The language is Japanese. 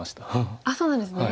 あっそうなんですね。